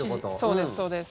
そうです、そうです。